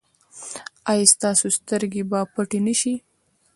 ایا ستاسو سترګې به پټې نه شي؟